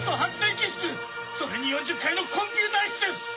室それに４０階のコンピューター室です！